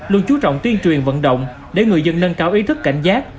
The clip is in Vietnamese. luôn chú trọng tuyên truyền vận động để người dân nâng cao ý thức cảnh giác